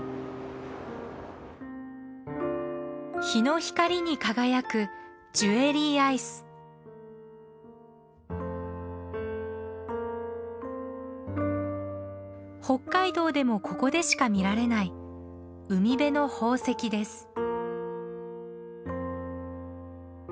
日の光に輝く北海道でもここでしか見られない海辺の宝石です。